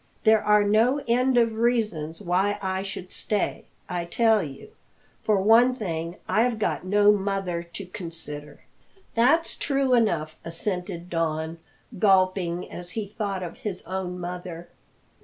There are no end of reasons why I should stay, I tell you. For one thing, I've got no mother to consider." "That's true enough," assented Don, gulping as he thought of his own mother.